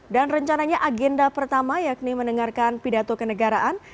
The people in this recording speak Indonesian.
dan rencananya agenda pertama yakni mendengarkan pidato kenegaraan